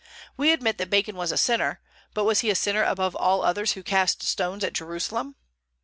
We admit that Bacon was a sinner; but was he a sinner above all others who cast stones at Jerusalem?